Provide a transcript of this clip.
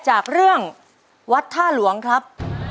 จากเรื่องวัดท่าหลวงครับ